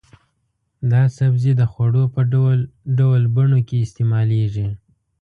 دا سبزی د خوړو په ډول ډول بڼو کې استعمالېږي.